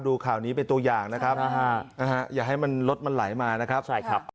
ดูข่าวนี้เป็นตัวอย่างนะครับอย่าให้รถมันไหลมานะครับ